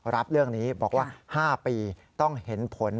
รับเรื่องนี้บอกว่า๕ปีต้องเห็นผล